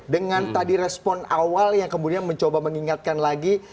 dengan tadi respon awal yang kemudian mencoba mengingatkan lagi